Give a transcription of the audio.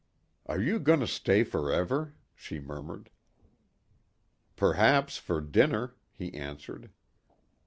"Are you going to stay forever," she murmured. "Perhaps for dinner," he answered.